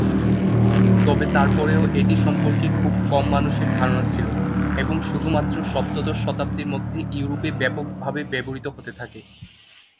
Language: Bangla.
তবে তারপরেও এটি সম্পর্কে খুব কম মানুষের ধারণা ছিল এবং শুধুমাত্র সপ্তদশ শতাব্দীর মধ্যে ইউরোপে ব্যাপক ভাবে ব্যবহৃত হতে থাকে।